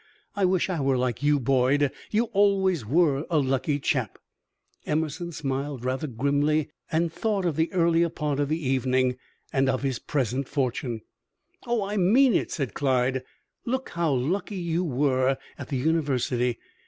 I wish I were like you, Boyd; you always were a lucky chap." Emerson smiled rather grimly at thought of the earlier part of the evening and of his present fortune. "Oh, I mean it!" said Clyde. "Look how lucky you were at the university.